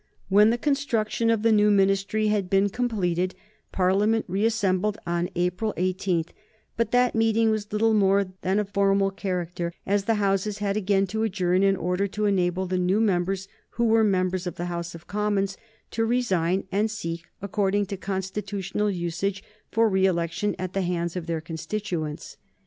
When the construction of the new Ministry had been completed, Parliament reassembled on April 18; but that meeting was little more than of formal character, as the Houses had again to adjourn in order to enable the new members who were members of the House of Commons to resign and seek, according to constitutional usage, for re election at the hands of their constituents.